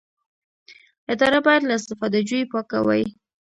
اداره باید له استفاده جویۍ پاکه وي.